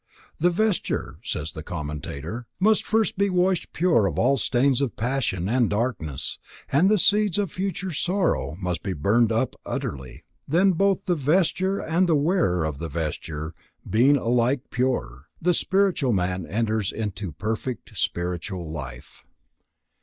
The vesture, says the commentator, must first be washed pure of all stains of passion and darkness, and the seeds of future sorrow must be burned up utterly. Then, both the vesture and the wearer of the vesture being alike pure, the spiritual man enters into perfect spiritual life.